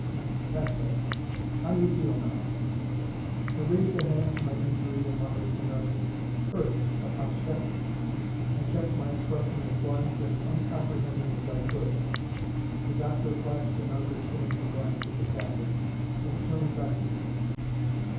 "That's better. How do you feel now?" I raised a hand to my injury and muttered, in Russian. "Hurts, papashka." I kept my expression as blank, as uncomprehending, as I could. The doctor flashed an understanding glance at the captain, then turned back to me.